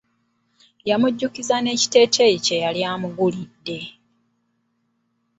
Yamujjukiza n'ekiteeteyi kye yali amugulidde.